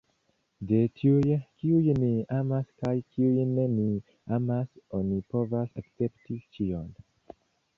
De tiuj, kiuj nin amas kaj kiujn ni amas, oni povas akcepti ĉion.